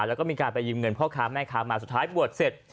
แล้วก็มีการไปยืมเงินพ่อค้าแม่ค้ามาสุดท้ายบวชเสร็จ